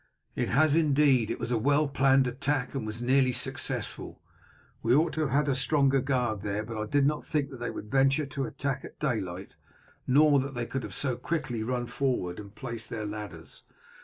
"It has indeed. It was a well planned attack, and was nearly successful. We ought to have had a stronger guard there; but I did not think that they would venture to attack at daylight, nor that they could have so quickly run forward and placed their ladders.